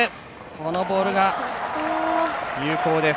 このボールが有効です。